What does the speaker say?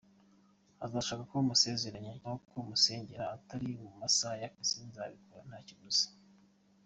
Uzashaka ko musezeranya cyangwa ko musengera atari mu masaha y’akazi nzabikora nta kiguzi.